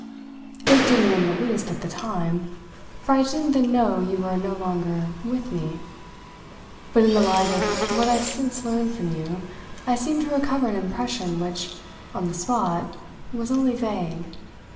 "It didn't in the least at the time, for I didn't then know you were no longer 'with' me. But in the light of what I've since learned from you I seem to recover an impression which, on the spot, was only vague.